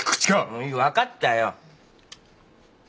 もういい分かったよ。